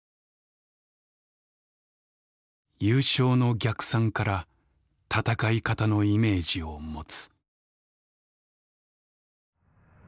「優勝の逆算から戦い方のイメージを持つ」。